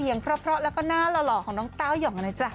เสียงเพราะแล้วก็หน้าหล่อของน้องเตาหย่อมันน่ะจ๊ะ